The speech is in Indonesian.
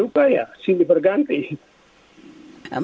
memang kadang kadang itu kan sangat baur begitu antara spiritualitas dan agama itu